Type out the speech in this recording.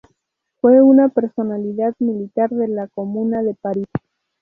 Fue una personalidad militar de la Comuna de París.